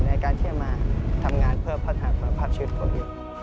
ในการที่จะมาทำงานเพื่อพัดฉุดคนอื่น